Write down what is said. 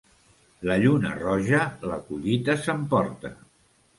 La lluna roja la collita s'emporta.